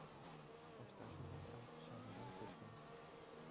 Ӑҫта ҫухатрӑн, ҫавӑнтан тупрӑм.